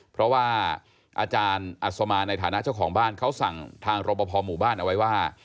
เพราะว่าอาจารย์อัศมาในฐานะเจ้าของบ้านเขาสั่งทางรบพอหมู่บ้านเอาไว้ว่า